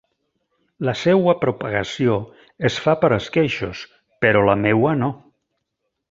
La seua propagació es fa per esqueixos, però la meua no.